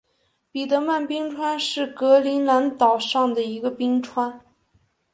彼得曼冰川是格陵兰岛上的一个冰川。